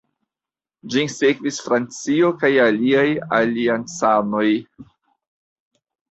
Ĝin sekvis Francio kaj aliaj aliancanoj.